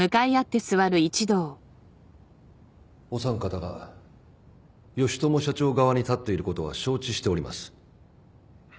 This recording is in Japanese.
お三方が義知社長側に立っていることは承知しております。